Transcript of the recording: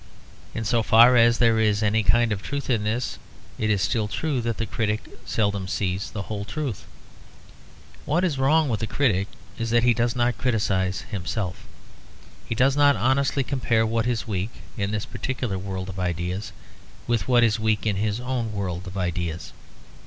In so far as there is any kind of truth in this, it is still true that the critic seldom sees the whole truth. What is wrong with the critic is that he does not criticise himself. He does not honestly compare what is weak, in this particular world of ideas, with what is weak in his own world of ideas.